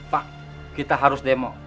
pak kita harus demo